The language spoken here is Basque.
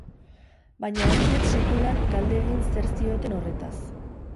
Baina ez diet sekulan galdegin zer zioten horretaz.